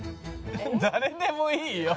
誰でもいいよ。